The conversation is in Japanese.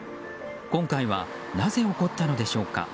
今回はなぜ起こったのでしょうか。